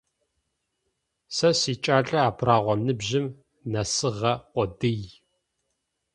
Сэ сикӏалэ абрагъуэ ныбжьым нэсыгъэ къодый.